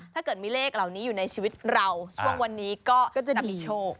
ถ้าเกิดมีเลขเหล่านี้อยู่ในชีวิตเราช่วงวันนี้ก็จะมีโชค